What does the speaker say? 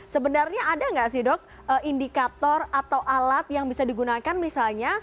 sebenarnya ada nggak sih dok indikator atau alat yang bisa digunakan misalnya